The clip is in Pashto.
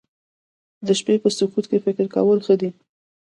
د شپې په سکوت کې فکر کول ښه دي